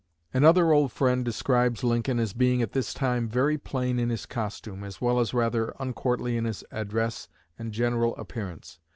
Another old friend describes Lincoln as being at this time "very plain in his costume, as well as rather uncourtly in his address and general appearance.